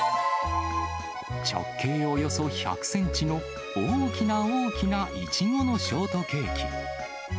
直径およそ１００センチの、大きな大きなイチゴのショートケーキ。